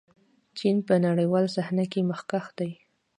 چین په نړیواله صحنه کې مخکښ دی.